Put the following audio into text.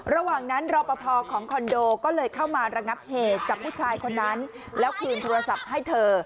ระหว่างนั้นรอปภของคอนโดก็เลยเข้ามาระงับเหตุจับผู้ชายคนนั้นแล้วคืนโทรศัพท์ให้เธอ